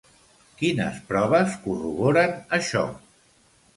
Quines proves corroboren això?